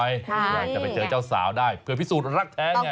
อยากจะไปเจอเจ้าสาวได้เพื่อพิสูจน์รักแท้ไง